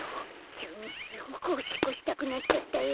きゅうにすごくおしっこしたくなっちゃったよ。